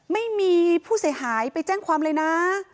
ไม่มีผู้เสียหายไปแจ้งความเลยนะ